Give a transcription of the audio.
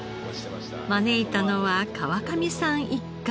招いたのは川上さん一家。